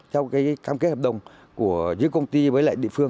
theo cam kết hợp đồng của dưới công ty với lại địa phương